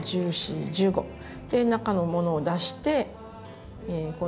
で中のものを出して今度は。